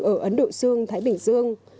ở ấn độ dương thái bình dương